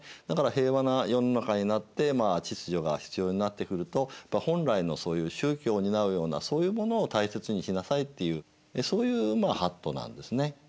だから平和な世の中になって秩序が必要になってくると本来のそういう宗教を担うようなそういうものを大切にしなさいっていうそういうまあ法度なんですね。